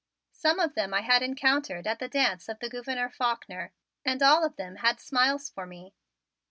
Some of them I had encountered at the dance of the Gouverneur Faulkner and all of them had smiles for me.